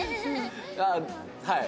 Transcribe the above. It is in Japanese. あっはい。